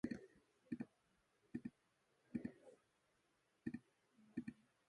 輕鬆駕馭意志力